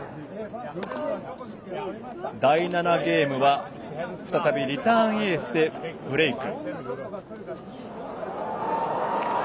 第７ゲームは再びリターンエースでブレーク。